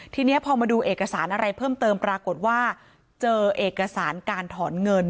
ทีนี้พอมาดูเอกสารอะไรเพิ่มเติมปรากฏว่าเจอเอกสารการถอนเงิน